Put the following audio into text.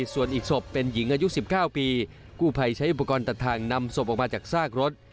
ส่วนอีกศพเป็นหญิงอายุ๑๙ปีกู้ภัยใช้อุปกรณ์ตัดทางนำศพออกมาจากซากรถ